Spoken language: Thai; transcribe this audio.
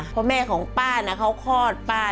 เพราะแม่ของป้าน่ะเขาคลอดป้า